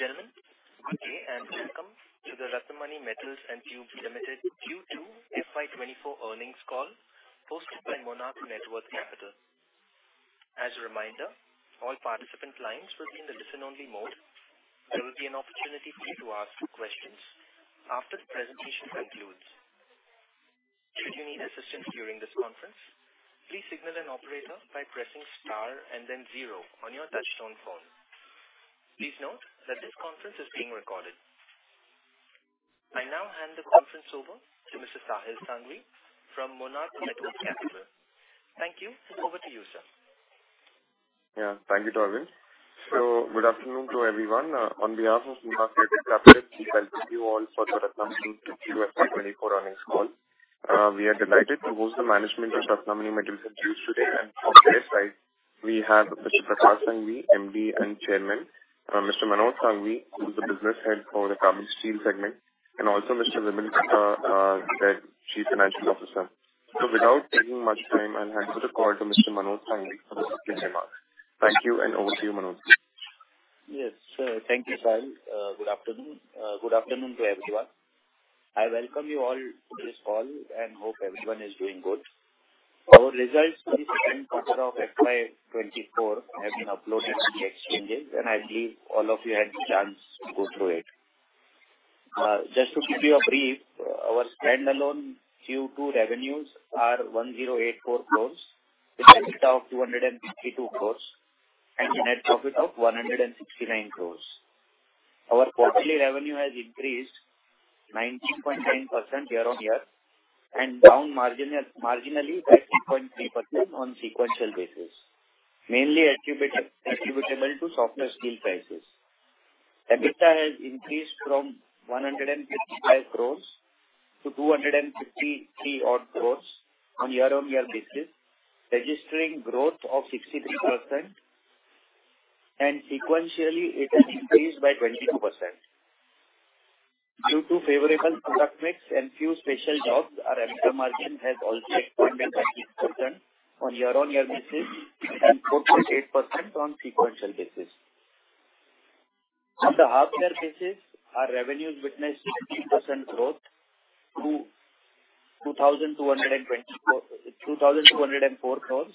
Ladies and gentlemen, good day and welcome to the Ratnamani Metals & Tubes Limited Q2 FY 2024 earnings call hosted by Monarch Networth Capital. As a reminder, all participant lines will be in the listen-only mode. There will be an opportunity for you to ask questions after the presentation concludes. Should you need assistance during this conference, please signal an operator by pressing Star and then zero on your touchtone phone. Please note that this conference is being recorded. I now hand the conference over to Mr. Sahil Sanghvi from Monarch Networth Capital. Thank you. Over to you, sir. Yeah. Thank you, Darwin. So good afternoon to everyone. On behalf of Monarch Networth Capital, we welcome you all for the Ratnamani Q2 FY 2024 earnings call. We are delighted to host the management of Ratnamani Metals & Tubes today. And from their side, we have Mr. Prakash Sanghvi, MD and Chairman, Mr. Manoj Sanghvi, who is the Business Head for the Carbon Steel segment, and also Mr. Vimal, the Chief Financial Officer. So without taking much time, I'll hand over the call to Mr. Manoj Sanghvi for the opening remarks. Thank you, and over to you, Manoj. Yes, sir. Thank you, Sahil. Good afternoon. Good afternoon to everyone. I welcome you all to this call and hope everyone is doing good. Our results for the second quarter of FY 2024 have been uploaded in the exchanges, and I believe all of you had the chance to go through it. Just to give you a brief, our standalone Q2 revenues are 1,084 crores, with EBITDA of 252 crores and a net profit of 169 crores. Our quarterly revenue has increased 19.9% year-on-year and down marginally by 3.3% on sequential basis, mainly attributable to softer steel prices. EBITDA has increased from 155 crores to 253-odd crores on year-on-year basis, registering growth of 63%, and sequentially it has increased by 22%. Due to favorable product mix and few special jobs, our EBITDA margin has also expanded by 8% on year-on-year basis and 4.8% on sequential basis. On the half year basis, our revenues witnessed 16% growth to 2,204 crores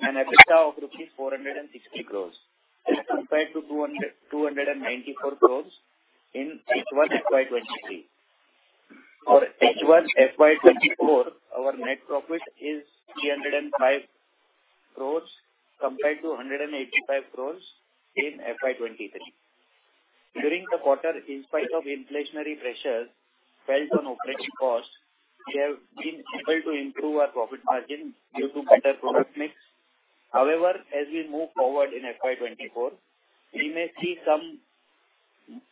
and EBITDA of rupees 460 crores as compared to 294 crores in H1 FY 2023. For H1 FY 2024, our net profit is 305 crores, compared to 185 crores in FY 2023. During the quarter, in spite of inflationary pressures felt on operating costs, we have been able to improve our profit margin due to better product mix. However, as we move forward in FY 2024, we may see some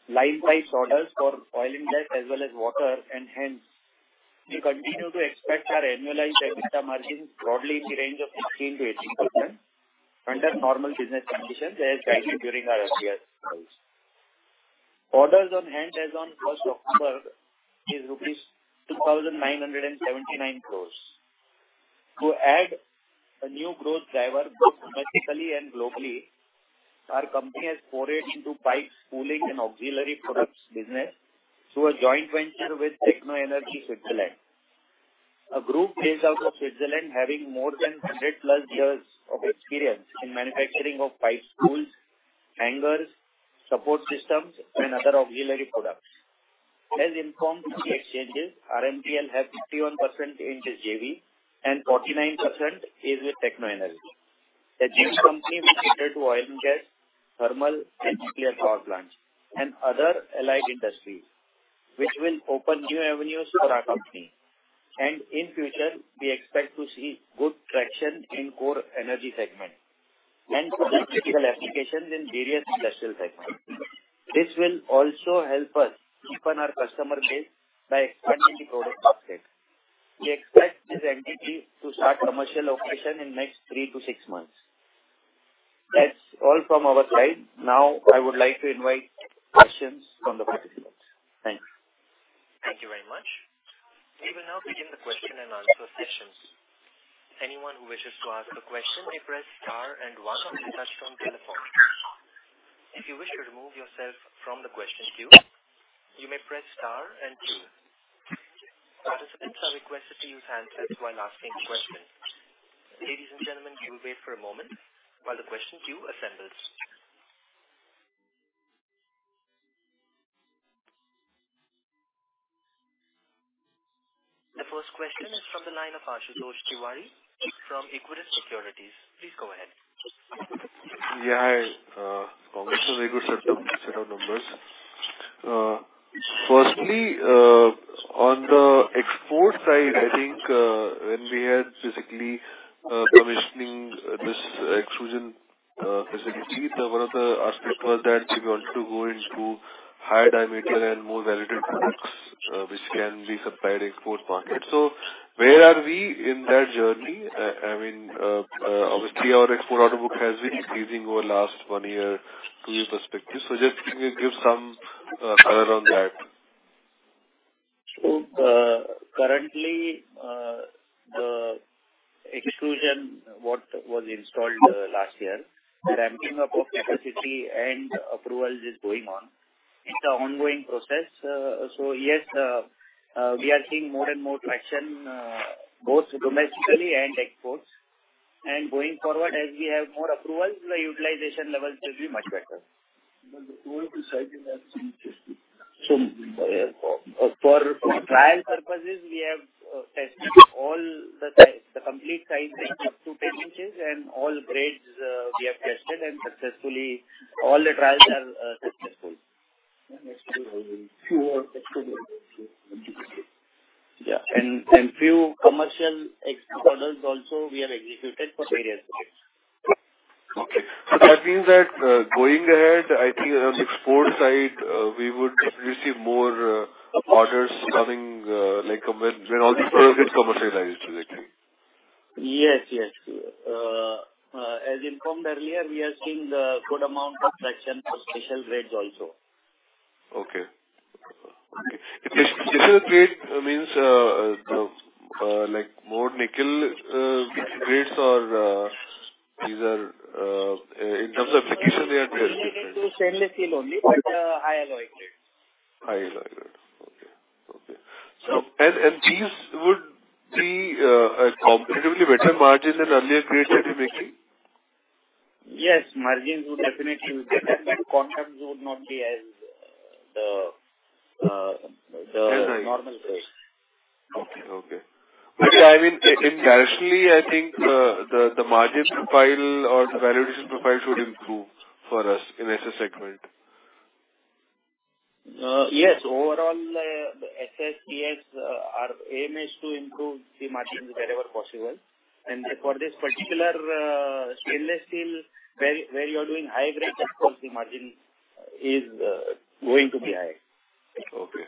line pipe orders for Oil & Gas as well as water, and hence we continue to expect our annualized EBITDA margins broadly in the range of 16%-18% under normal business conditions, as guided during our FYs calls. Orders on hand as on 1 October is rupees 2,979 crore. To add a new growth driver, both domestically and globally, our company has forayed into pipe spooling and auxiliary products business through a joint venture with Technoenergy AG, Switzerland. A group based out of Switzerland, having more than 100+ years of experience in manufacturing of pipe spools, hangers, support systems and other auxiliary products. As informed in the exchanges, RMTL has 51% in this JV and 49% is with Technoenergy AG. The joint company will cater to Oil & Gas, thermal and nuclear power plants and other allied industries, which will open new avenues for our company. In future, we expect to see good traction in Core Energy Segment and applications in various special segments. This will also help us deepen our customer base by expanding the product offering. We expect this entity to start commercial operation in next three to six months. That's all from our side. Now, I would like to invite questions from the participants. Thank you. Thank you very much. We will now begin the question and answer session. Anyone who wishes to ask a question may press star and one on your touchtone telephone. If you wish to remove yourself from the question queue, you may press star and two. Participants are requested to use handsets while asking questions. Ladies and gentlemen, do wait for a moment while the question queue assembles. The first question is from the line of Ashutosh Tiwari from Equirus Securities. Please go ahead. Yeah, congratulations on the set of numbers. Firstly, on the export side, I think, when we had basically, commissioning this extrusion facility, one of the aspects was that we want to go into higher diameter and more valuable products, which can be supplied export market. So where are we in that journey? I mean, obviously our export order book has been increasing over last one year to your perspective. So just can you give some color on that? So, was installed last year. Ramping up of capacity and approval is going on. It's an ongoing process. So yes, we are seeing more and more traction both domestically and exports. Going forward, as we have more approvals, the utilization levels will be much better. For trial purposes, we have tested all the types, the complete size, up to 10 inches, and all grades. We have tested and successfully all the trials are successful. Yeah, and few commercial orders also we have executed for various grades. Okay. So that means that, going ahead, I think around the export side, we would receive more, orders coming, like when all these products get commercialized, do you think? Yes, yes. As informed earlier, we are seeing good amount of traction for special grades also. Okay. Special grade means, like more nickel, grades or, these are, in terms of application, they are different? Stainless steel only, but High Alloy Grade. High Alloy Grade. Okay, okay. So- These would be a competitively better margin than earlier grades that you're making? Yes, margins would definitely be better, but contracts would not be as... As high. -normal grade. Okay, okay. But I mean, lastly, I think, the margin profile or the valuation profile should improve for us in SS segment. Yes, overall, the SS, yes, our aim is to improve the margins wherever possible. For this particular, Stainless Steel, where you are doing high grade, of course, the margin is going to be high. Okay.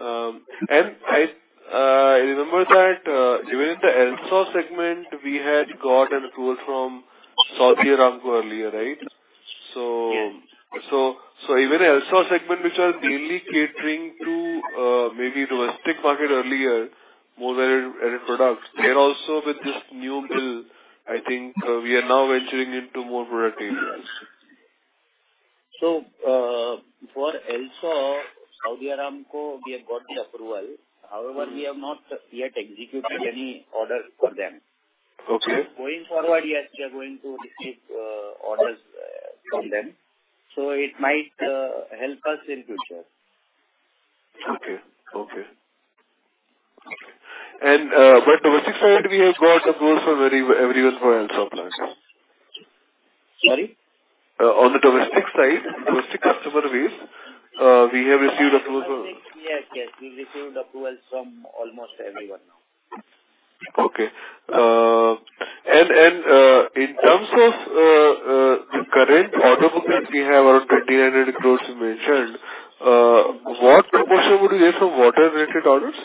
I, I remember that even in the LSA segment, we had got an approval from Saudi Aramco earlier, right? Yes. So even LSA segment, which are mainly catering to maybe domestic market earlier, more than any products, and also with this new mill, I think, we are now venturing into more productive areas. So, for LSA, Saudi Aramco, we have got the approval. However, we have not yet executed any orders for them. Okay. Going forward, yes, we are going to receive orders from them, so it might help us in future. Okay, okay. But domestic side, we have got approval for everyone for LSA plants. Sorry? On the domestic side, domestic customer base, we have received approval. Yes, yes, we've received approval from almost everyone now. Okay. And, in terms of, the current order book, which we have around 28 crore you mentioned, what proportion would you get from water-related orders?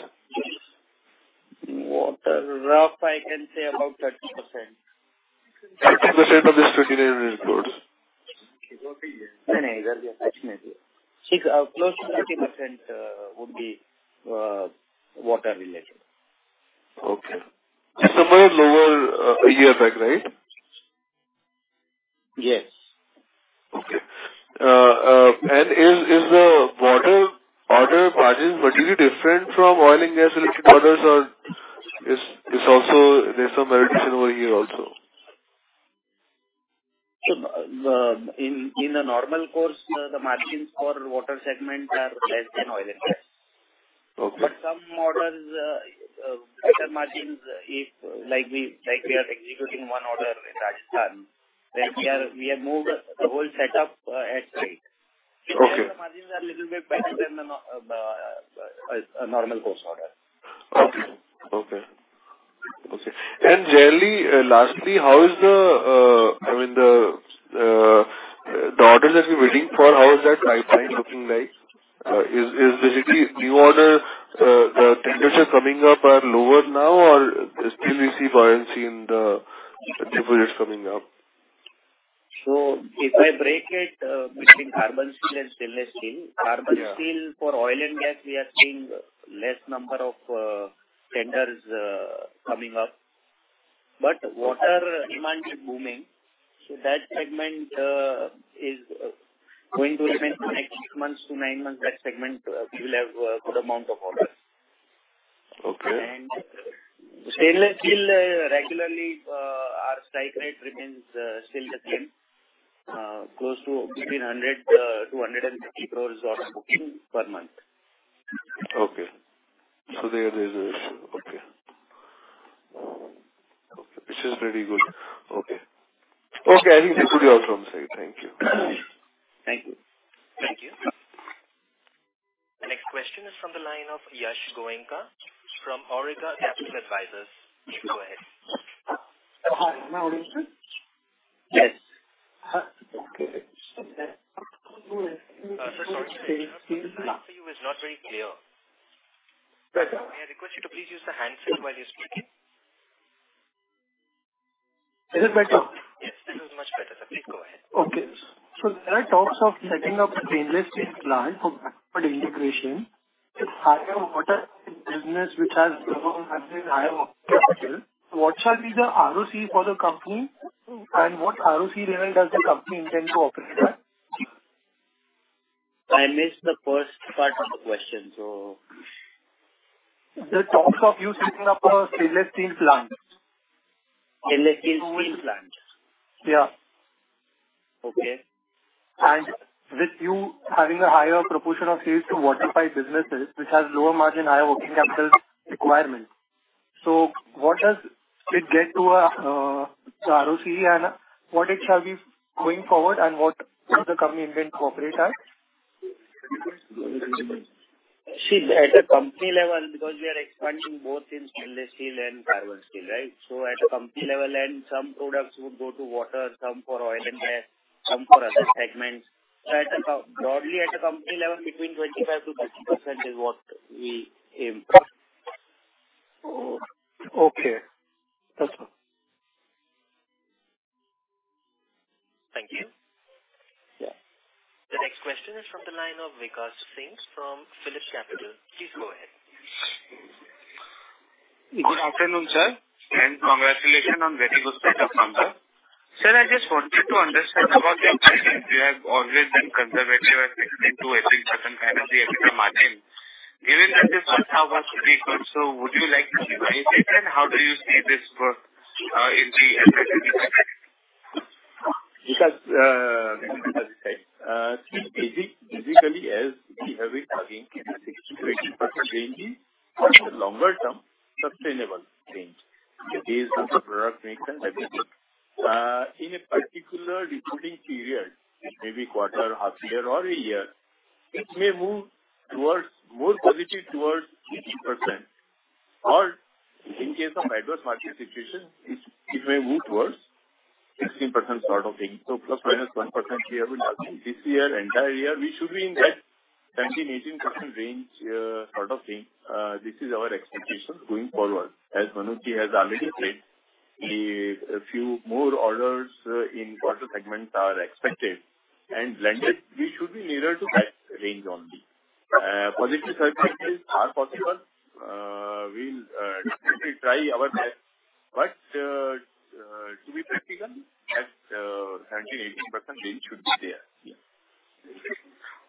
Water, roughly I can say about 30%. 30% of this INR 28 crore? Definitely. Close to 30% would be water-related. Okay. Somewhere lower, a year back, right? Yes. Okay. Is the water order margin particularly different from Oil & Gas related orders, or is there also some moderation over here also? In the normal course, the margins for Water segment are less than Oil & Gas Okay. But some orders, better margins, if like we, like we are executing one order in Rajasthan, where we are, we have moved the whole setup at site. Okay. The margins are a little bit better than the normal course order. Okay. Okay. Okay. And generally, lastly, how is the, I mean, the order that you're waiting for, how is that pipeline looking like? Is basically new order, the tenders are coming up are lower now or still you see buoyancy in the tenders coming up? So if I break it between Carbon Steel and Stainless Steel- Yeah. -carbon steel for Oil & Gas, we are seeing less number of, tenders, coming up. But water demand is booming, so that segment, is going to remain for next months to nine months, that segment, we will have a good amount of orders. Okay. Stainless steel, regularly, our pipeline remains still the same, close to between 100 crore-150 crore order booking per month. Okay. So there is a... Okay. Okay, this is pretty good. Okay. Okay, I think we put you off from site. Thank you. Thank you. Thank you. The next question is from the line of Yash Goenka, from Awriga Capital Advisors. You can go ahead. Hi, am I audible? Yes. Uh, okay. Sorry, the line for you is not very clear. Better? May I request you to please use the handset while you're speaking. Is it better? Yes, this is much better. Please go ahead. Okay. So there are talks of setting up a Stainless Steel plant for backward integration. If higher water business, which has lower margin, higher working capital, what shall be the ROC for the company, and what ROC level does the company intend to operate at? I missed the first part of the question, so- The talk of you setting up a Stainless Steel plant. Stainless Steel plant. Yeah. Okay. With you having a higher proportion of sales to water-based businesses, which has lower margin, higher working capital requirements. So what does it get to, the ROCE and what it shall be going forward, and what does the company intend to operate at? See, at a company level, because we are expanding both in Stainless Steel and Carbon Steel, right? So at a company level, and some products would go to water, some for Oil & Gas, some for other segments. So broadly at a company level, between 25%-30% is what we aim for. Oh, okay. That's all. Thank you. Yeah. The next question is from the line of Vikash Singh from PhillipCapital. Please go ahead. Good afternoon, sir, and congratulations on very good set of numbers. Sir, I just wanted to understand about the impact. You have always been conservative and into every % energy, every margin. Given that this first half was pretty good, so would you like to keep anything, and how do you see this for, in the end? Because, basically, as we have been having a 16%-18% range is a longer-term sustainable range. It is based on the product mix and everything. In a particular reporting period, it may be quarter, half year, or a year, it may move towards more positive towards 18%. Or in case of adverse market situation, it may move towards 16% sort of thing. So ±1% we have in this year, entire year, we should be in that 19%-18% range, sort of thing. This is our expectation going forward. As Manoj has already said, a few more orders in water segment are expected, and landed, we should be nearer to that range only. Positive surprises are possible. We'll definitely try our best, but to be practical, that 18%-19% range should be there. Yeah.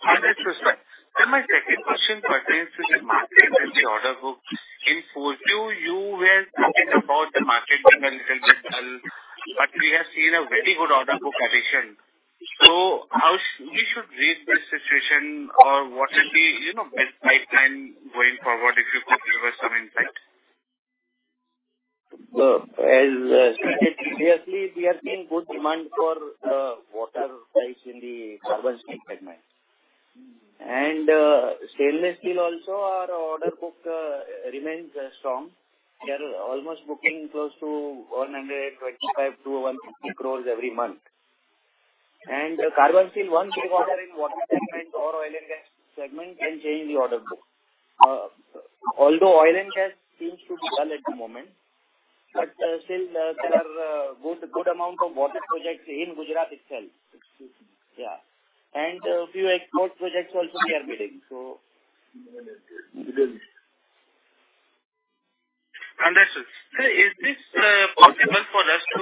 Understood, sir. Then my second question pertains to the market and the order book. In Q2, you were talking about the market a little bit dull, but we have seen a very good order book addition. So how should we read this situation or what will be, you know, best pipeline going forward if you could give us some insight? Well, as stated previously, we are seeing good demand for water types in the Carbon Steel segment. Stainless Steel also our order book remains strong. We are almost booking close to 125 crores-150 crores every month. The Carbon Steel, one big order in Water segment or Oil & Gas segment can change the order book. Although Oil & Gas seems to be well at the moment, but still, there are good, good amount of water projects in Gujarat itself. Yeah, and a few export projects also we are bidding, so... Understood. Sir, is this possible for us to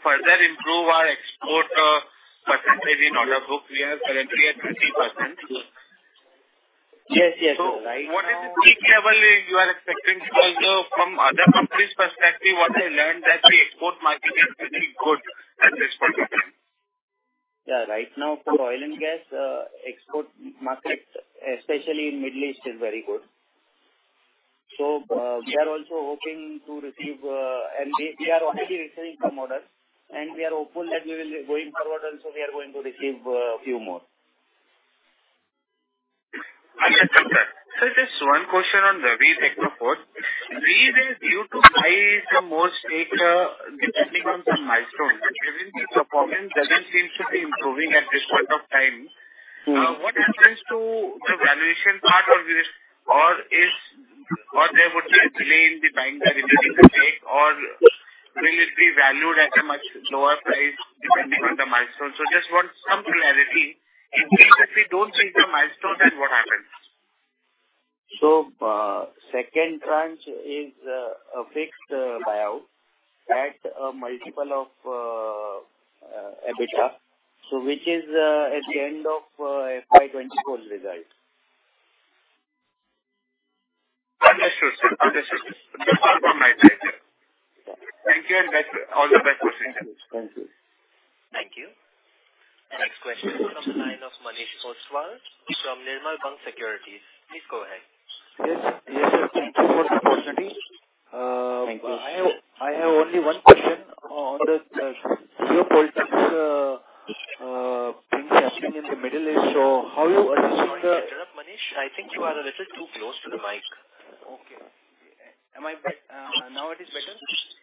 further improve our export percentage in order book? We are currently at 20%. Yes, yes. So what is the peak level you are expecting? Because from other companies' perspective, what I learned that the export market is pretty good at this point in time. Yeah, right now, for Oil & Gas, export market, especially in Middle East, is very good. So, we are also hoping to receive, and we are already receiving some orders, and we are hopeful that we will be going forward, and so we are going to receive, a few more. I understand, sir. Sir, just one question on Ravi Technoforge. These are due to high, the more stake, depending on the milestone. Given the performance doesn't seem to be improving at this point of time- Mm. What happens to the valuation part of this? Or is, or there would be a delay in the time that it is taking, or will it be valued at a much lower price, depending on the milestone? So just want some clarity. In case if we don't see the milestone, then what happens? Second tranche is a fixed buyout at a multiple of EBITDA, which is at the end of FY 2024 results. Understood, sir. Understood. All my questions. Thank you, and back... All the best for center. Thank you. Thank you. The next question is from the line of Manish Kotwal, from Nirmal Bang Securities. Please go ahead. Yes, yes, sir. Thank you for the opportunity. Thank you. I have, I have only one question on the geopolitical tension in the Middle East. So how you are- Sorry to interrupt, Manish. I think you are a little too close to the mic. Okay. Am I better...? Now it is better?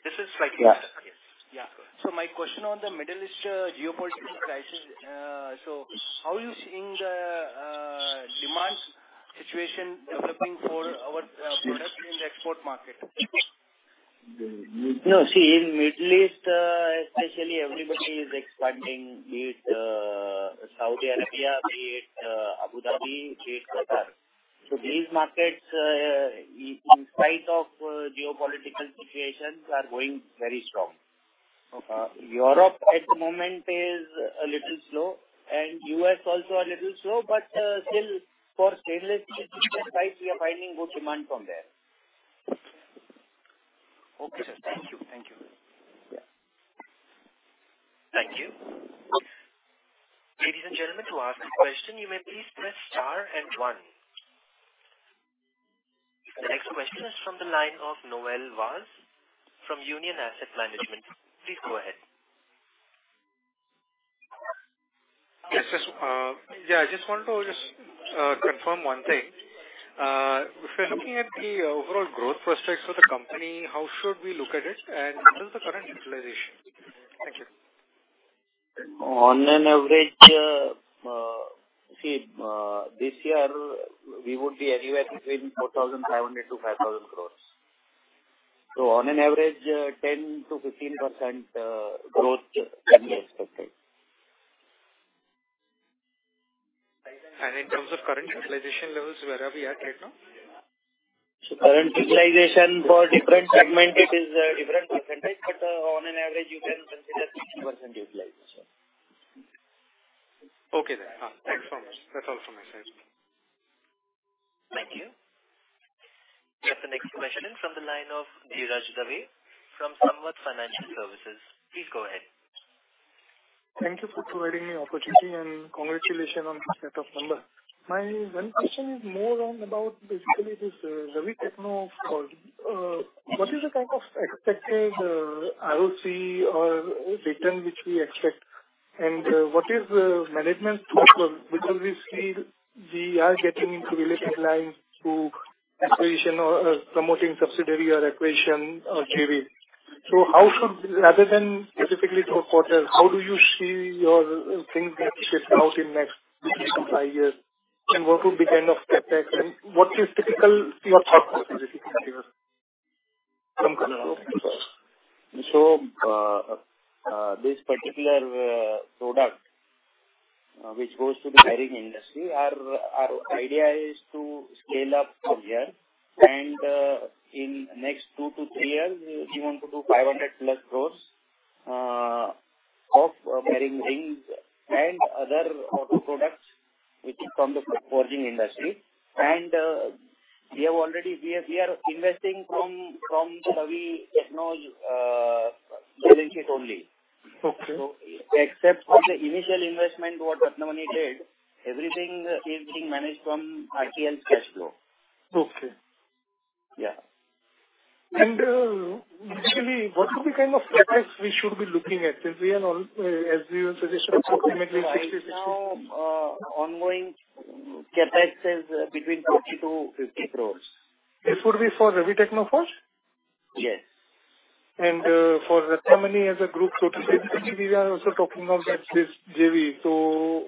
This is slightly better. Yeah. Yes. Yeah. So my question on the Middle East, geopolitical crisis, so how are you seeing the demand situation from-... export market. No, see, in Middle East, especially everybody is expanding, be it Saudi Arabia, be it Abu Dhabi, be it Qatar. So these markets, in spite of geopolitical situations, are going very strong. Europe at the moment is a little slow, and U.S. also a little slow, but still for stainless we are finding good demand from there. Okay, sir. Thank you. Thank you. Yeah. Thank you. Ladies and gentlemen, to ask a question, you may please press star and one. The next question is from the line of Noel Vaz from Union Asset Management. Please go ahead. Yes, yes. Yeah, I just want to just confirm one thing. If you're looking at the overall growth prospects for the company, how should we look at it, and what is the current utilization? Thank you. On an average, this year we would be anywhere between 4,500 crore-5,000 crore. So on an average, 10%-15% growth can be expected. In terms of current utilization levels, where are we at right now? So current utilization for different segment, it is a different percentage, but on an average, you can consider 60% utilization. Okay, then. Thanks so much. That's all from my side. Thank you. The next question is from the line of Dheeraj Dave, from Samvad Financial Services. Please go ahead. Thank you for providing me opportunity, and congratulations on the set of numbers. My one question is more on about basically this, Ravi Technoforge. What is the kind of expected ROCE or return which we expect? And what is the management thought? Because we see we are getting into related lines through acquisition or promoting subsidiary or acquisition or JV. So how should... Rather than specifically talk quarters, how do you see your things get shaped out in next three to five years? And what would be kind of CapEx, and what is typical, your thought process basically here from So, this particular product, which goes to the bearing industry, our idea is to scale up from here. In next two to three years, we want to do 500+ crores of bearing rings and other auto products, which is from the forging industry. We have already... We are investing from Ravi Techno balance sheet only. Okay. Except for the initial investment, what Ratnamani did, everything is being managed from RTL's cash flow. Okay. Yeah. Basically, what would be kind of CapEx we should be looking at? Is there an overall, as well, suggestion ultimately 60, 60- Ongoing CapEx is between 30 crores-50 crores. This would be for Ravi Technoforge? Yes. For Ratnamani as a group total, we are also talking of that this JV. So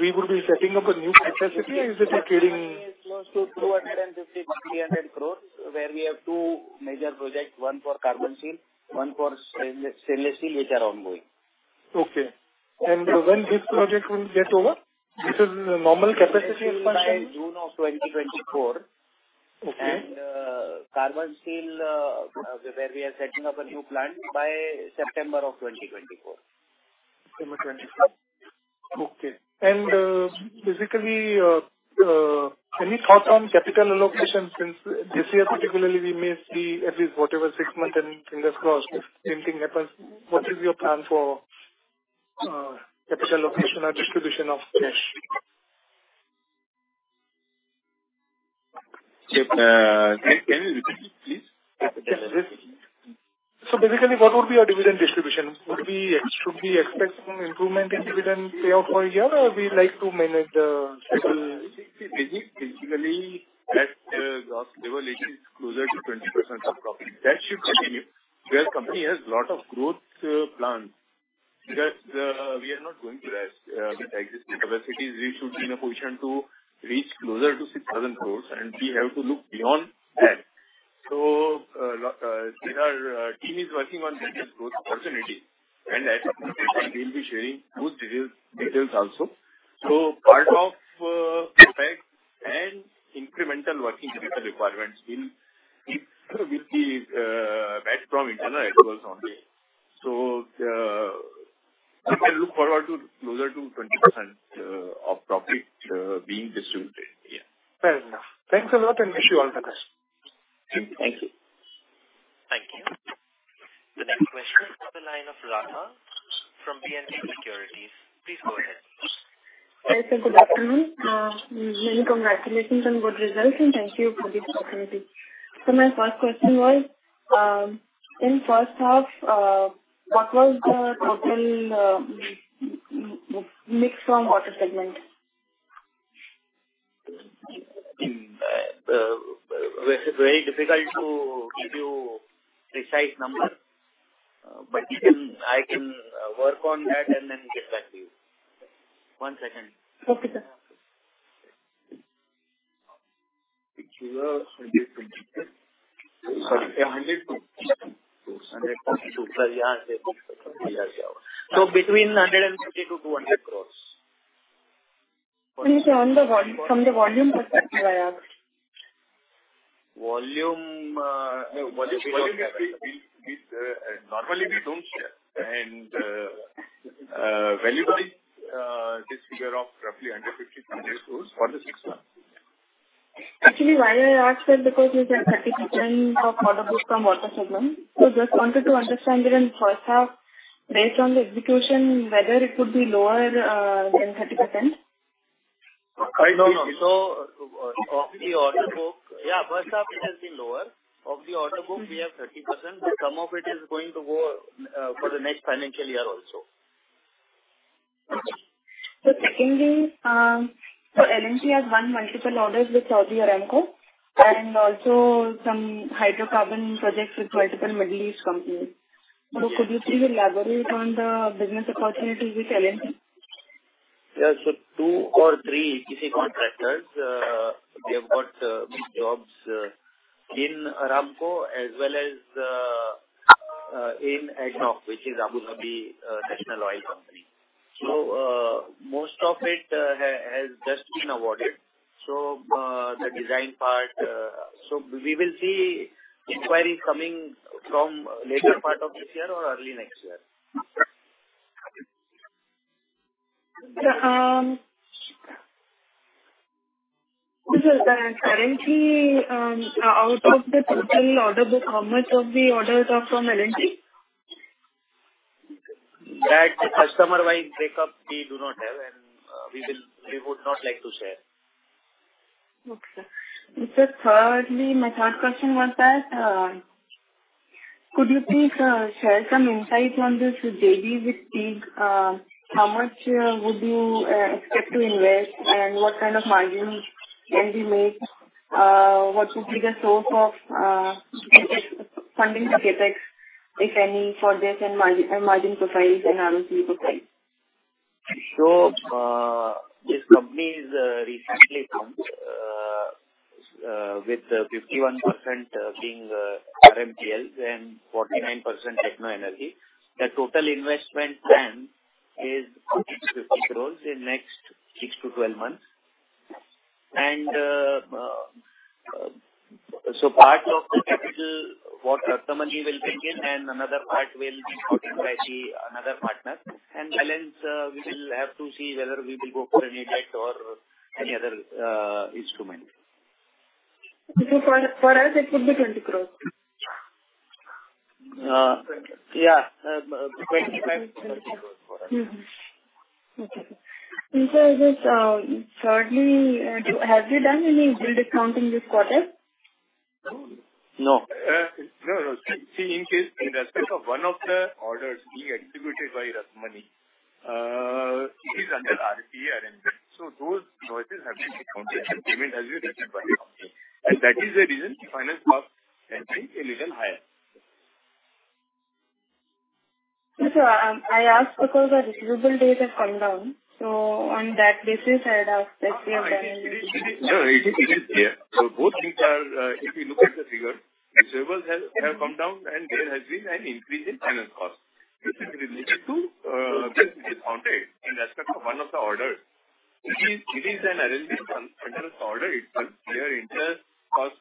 we would be setting up a new capacity or is it a carrying- Close to INR 250 crore-INR 300 crore, where we have two major projects, one for Carbon Steel, one for Stainless Steel, which are ongoing. Okay. When this project will get over? This is normal capacity expansion. By June of 2024. Okay. Carbon steel, where we are setting up a new plant by September of 2024. September 24. Okay. Basically, any thought on capital allocation, since this year particularly, we may see at least whatever, six months and fingers crossed, same thing happens. What is your plan for capital allocation or distribution of cash? Can you repeat, please? Yes. So basically, what would be your dividend distribution? Would we- should we expect some improvement in dividend payoff for a year, or we like to manage the schedule? Basically, they were looking closer to 20% of profit. That should continue. Where company has a lot of growth plans, because we are not going to rest. With existing capacities, we should be in a position to reach closer to 6,000 crore, and we have to look beyond that. So, our team is working on business growth opportunity, and at some point, we'll be sharing good details, details also. So part of CapEx and incremental working capital requirements will be met from internal efforts only. So, you can look forward to closer to 20% of profit being distributed. Yeah. Fair enough. Thanks a lot, and wish you all the best. Thank you. Thank you. The next question is on the line of Radha from B&K Securities. Please go ahead. Hi, sir. Good afternoon. Many congratulations on good results, and thank you for this opportunity. So my first question was, in first half, what was the total mix from Auto segment? Well, it's very difficult to the size number, but you can, I can work on that and then get back to you. One second. Okay, sir. INR 150 crores. Sorry, 150 crores. INR 150 crores-INR 160 crores. So between 150 crores-200 crores. From the volume perspective? Volume, volume, volume, normally we don't share. Value-wise, this figure of roughly 150 crore-100 crore for the six months. Actually, why I asked that because you said 30% of order book from water segment, so just wanted to understand it in first half, based on the execution, whether it would be lower than 30%? No, no. So of the order book... Yeah, first half it has been lower. Of the order book we have 30%, but some of it is going to go for the next financial year also. So secondly, so L&T has won multiple orders with Saudi Aramco and also some hydrocarbon projects with multiple Middle East companies. So could you please elaborate on the business opportunities with L&T? Yeah. So two or three EPC contractors, they have got big jobs in Aramco as well as in ADNOC, which is Abu Dhabi National Oil Company. So most of it has just been awarded. So the design part... So we will see inquiries coming from later part of this year or early next year. Currently, out of the total order book, how much of the orders are from L&T? That customer-wide breakup, we do not have, and we would not like to share. Okay. Sir, thirdly, my third question was that, could you please, share some insight on this JV with Technoenergy? How much, would you, expect to invest, and what kind of margin can be made? What would be the source of, funding the CapEx, if any, for this and margin, and margin profiles and how will be the profile? So, this company is recently formed with 51% being RMTL and 49% Technoenergy. The total investment plan is 50- 50 crores in next 6-12 months. And so part of the capital what Ratnamani will bring in, and another part will be brought in by the other partner. And balance we will have to see whether we will go for an IPO or any other instrument. So for us, it would be 20 crore? 25 crore-30 crore for us. Mm-hmm. Okay. And sir, just, thirdly, have you done any bill discounting this quarter? No. No, no. See, in case, in respect of one of the orders being executed by Ratnamani, it is under RPA arrangement, so those invoices have been discounted and payment has been received by the company. And that is the reason the finance cost can be a little higher. So, I asked because the receivable days have come down, so on that basis, I'd ask that you have done- No, it is here. So both things are, if you look at the figure, receivables have come down and there has been an increase in finance cost, which is related to this discounting in respect of one of the orders. It is an arrangement under this order. It's where interest cost,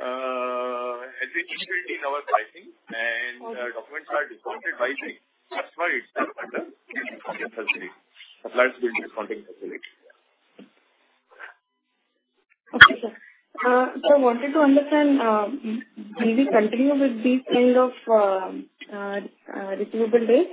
as we included in our pricing and, documents are discounted by the customer itself under discounting facility, suppliers discounting facility. Okay, sir. So I wanted to understand, will you continue with this kind of receivable days?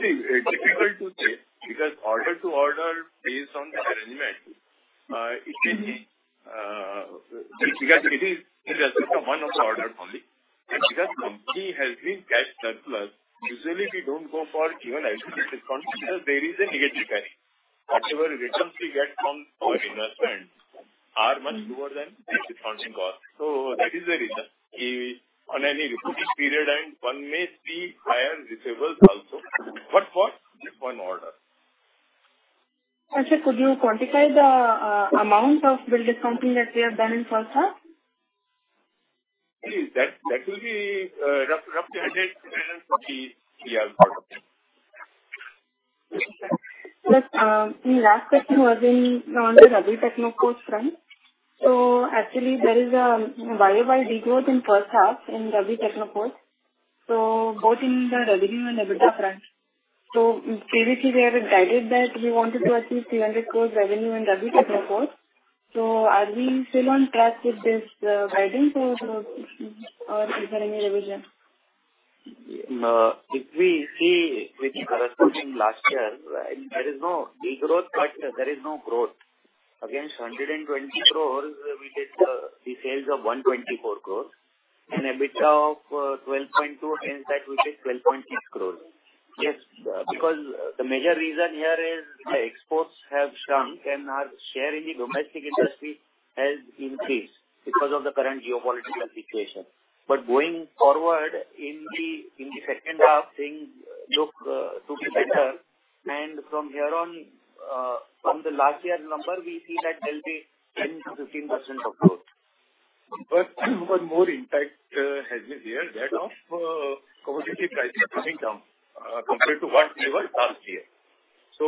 See, it's difficult to say, because order to order based on the arrangement, it may be, because it is in respect of one of the order only. And because company has been cash surplus, usually we don't go for because there is a negative carry. Whatever returns we get from our investors are much lower than the discounting cost. So that is the reason we on any reporting period, and one may see higher receivables also, but for just one order. Sir, could you quantify the amount of bill discounting that we have done in first half? That will be roughly 140 we have got. Okay, sir. Just, my last question was in, on the Ravi Technoforge front. So actually there is a YoY decline in first half in Ravi Technoforge, so both in the revenue and EBITDA front. So previously we had guided that we wanted to achieve 300 crore revenue in Ravi Technoforge. So are we still on track with this, guiding, or, or is there any revision? If we see with corresponding last year, right, there is no decline, but there is no growth. Against 120 crore, we did the sales of 124 crore and EBITDA of 12.2 crore, against that we did 12.6 crore.... Yes, because the major reason here is the exports have shrunk and our share in the domestic industry has increased because of the current geopolitical situation. But going forward in the second half, things look to be better. And from here on, from the last year number, we see that there'll be 10%-15% of growth. But one more impact has been there, that of commodity prices coming down compared to what they were last year. So,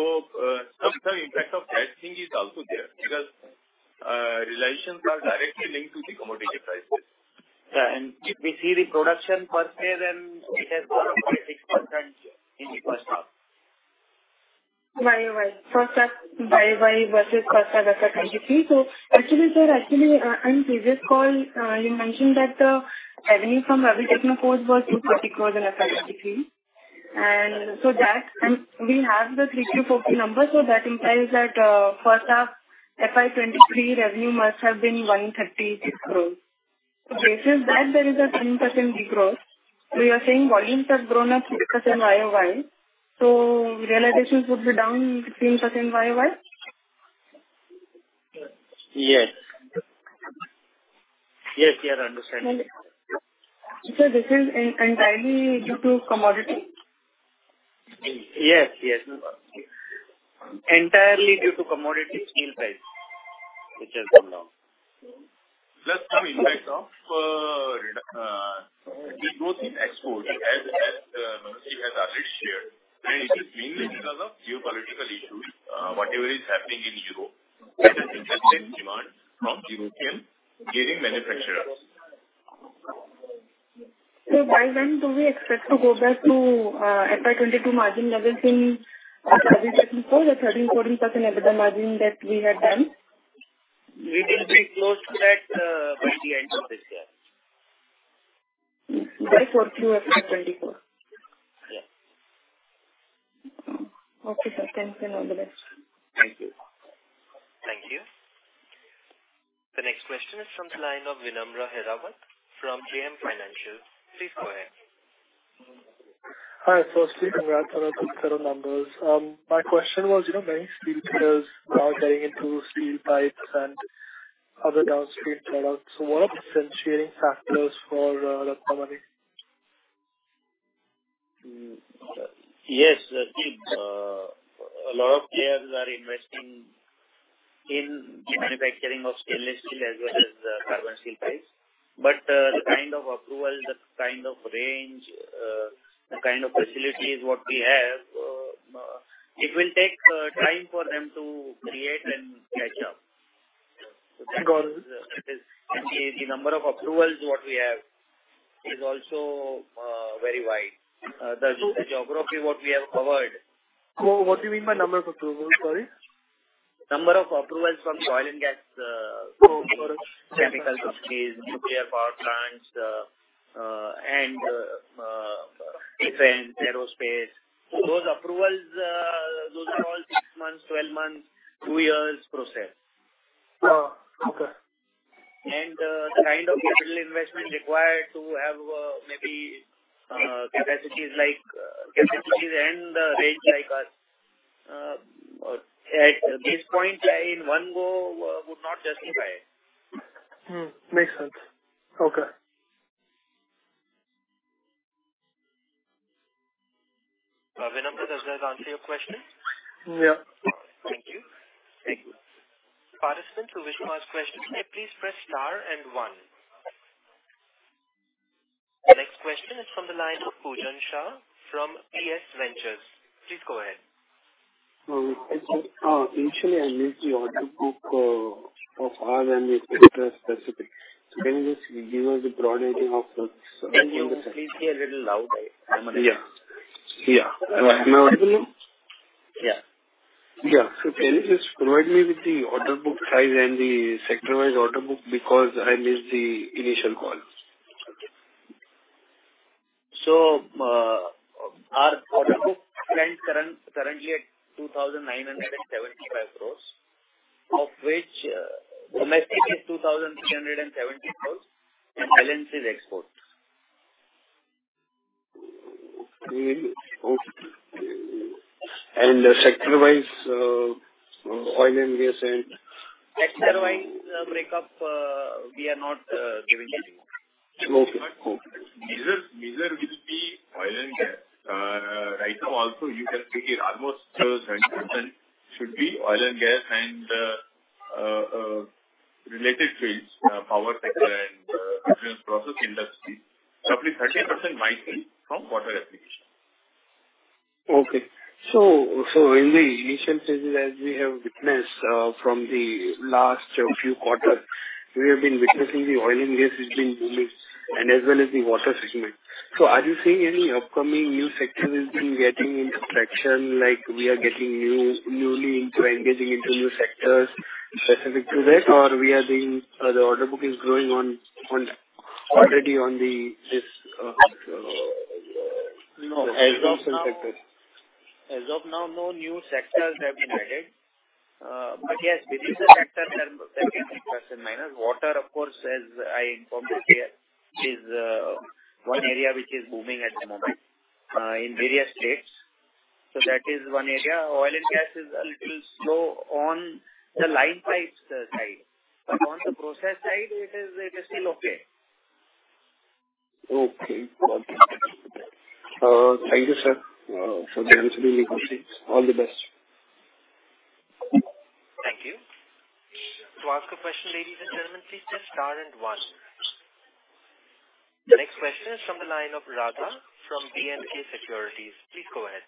some impact of that thing is also there, because realizations are directly linked to the commodity prices. Yeah, and if we see the production per se, then it has grown 0.6% in the first half. Right, right. First half versus first half of 2023. So actually, sir, actually, on previous call, you mentioned that the revenue from Ravi Technoforge was 250 crore in FY 2023, and so that's... And we have the 340 numbers, so that implies that, first half, FY 2023 revenue must have been 130 crore. So based on that, there is a 10% degrowth. So you are saying volumes have grown at 3% YoY, so realizations would be down 15% YoY? Yes. Yes, we are understanding. So this is entirely due to commodity? Yes. Yes, ma'am. Entirely due to commodity steel price, which has come down. Plus some impact of reduction the growth in export as Manoj has already shared, and it is mainly because of geopolitical issues, whatever is happening in Europe, there is demand from European manufacturing. So by when do we expect to go back to FY 2022 margin levels in 2024, the 13%-14% EBITDA margin that we had done? We will be close to that by the end of this year. By fourth quarter FY 2024? Yes. Okay, sir. Thanks, and all the best. Thank you. Thank you. The next question is from the line of Vinamra Hirawat from JM Financial. Please go ahead. Hi, firstly, congrats on a good set of numbers. My question was, you know, many steel players are getting into steel pipes and other downstream products. So what are the differentiating factors for the company? Yes, a lot of players are investing in manufacturing of Stainless Steel as well as Carbon Steel pipes. But the kind of approval, the kind of range, the kind of facilities what we have, it will take time for them to create and catch up. Because the number of approvals what we have is also very wide. The geography what we have covered- What do you mean by number of approvals, sorry? Number of approvals from Oil & Gas, for chemical companies, nuclear power plants, and defense, aerospace. Those approvals, those are all 6 months, 12 months, 2 years process. Oh, okay. The kind of capital investment required to have maybe capacities like capacities and the range like us at this point in one go would not justify it. Hmm, makes sense. Okay. Vinamra, does that answer your question? Yeah. Thank you. Participants who wish to ask question, please press star and one. The next question is from the line of Poojan Shah from PS Ventures. Please go ahead. Initially, I missed the order book of our industry specific. Can you just give us a broad idea of the- Can you please speak a little loud? I'm unable- Yeah. Yeah. Am I audible now? Yeah. Yeah. Can you just provide me with the order book size and the sector-wise order book, because I missed the initial call? So, our order book stands currently at 2,975 crores, of which domestic is 2,370 crores, and balance is export. Sector-wise, Oil & Gas and- Sector-wise, breakup, we are not giving anything. Okay, cool. Major, major will be Oil & Gas. Right now also you can see almost 30% should be Oil & Gas and related to it, power sector and process industry. Roughly 30% might be from Water application. Okay. So, so in the initial stages, as we have witnessed, from the last few quarters, we have been witnessing the Oil & Gas which been booming and as well as the water segment. So are you seeing any upcoming new sector which been getting into traction, like we are getting new, newly into engaging into new sectors specific to that, or we are being, the order book is growing on, on already on the, this, you know, existing sectors? ...As of now, no new sectors have been added. But yes, the sector that can be plus and minus. Water, of course, as I informed you here, is one area which is booming at the moment in various states. So that is one area. Oil & Gas is a little slow on the line pipes side, but on the process side it is, it is still okay. Okay. Got you. Thank you, sir, for the useful information. All the best. Thank you. To ask a question, ladies and gentlemen, please press star and one. The next question is from the line of Radha from B&K Securities. Please go ahead.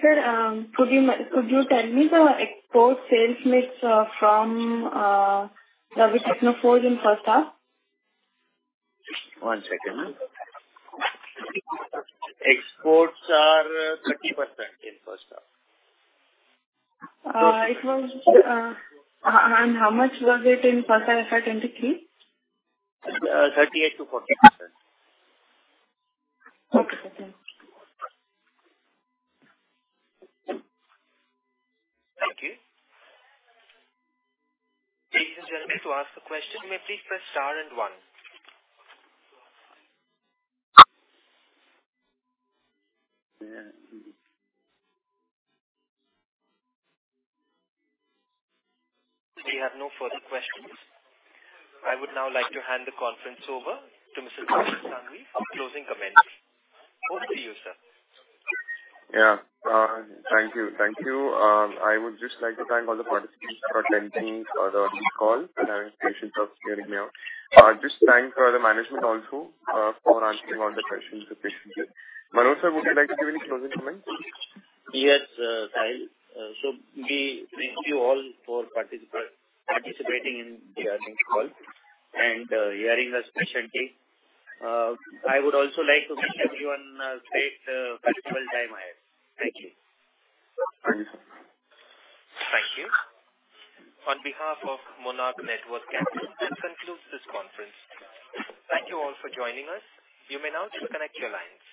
Sir, could you tell me the export sales mix from Ravi Technoforge in first half? One second. Exports are 30% in first half. It was. How much was it in first half of 2023? 38%-40%. Okay, thank you. Thank you. Ladies and gentlemen, to ask a question, may please press star and one. We have no further questions. I would now like to hand the conference over to Mr. Sahil Sanghvi for closing comments. Over to you, sir. Yeah. Thank you. Thank you. I would just like to thank all the participants for attending the call and having patience of hearing me out. Just thank the management also for answering all the questions patiently. Manoj, sir, would you like to give any closing comments? Yes, Sahil. So we thank you all for participate, participating in the earnings call and hearing us patiently. I would also like to wish everyone a great festival time ahead. Thank you. Thank you. On behalf of Monarch Networth Capital, that concludes this conference. Thank you all for joining us. You may now disconnect your lines.